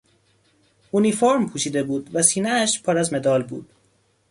اونیفورم پوشیده بود و سینهاش پر از مدال بود.